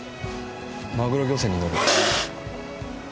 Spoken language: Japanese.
マグロ漁船に乗る。